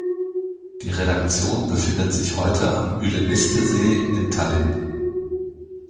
Die Redaktion befindet sich heute am Ülemiste-See in Tallinn.